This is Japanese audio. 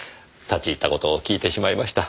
立ち入った事を訊いてしまいました。